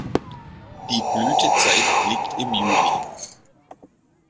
Die Blütezeit liegt im Juli.